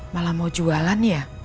malah mau jualan ya